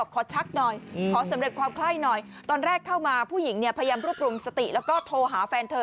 ขอชักหน่อยนะ